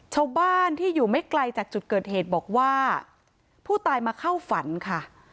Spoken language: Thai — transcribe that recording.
ชาวบ้านที่อยู่ไม่ไกลจากจุดเกิดเหตุบอกว่าผู้ตายมาเข้าฝันค่ะ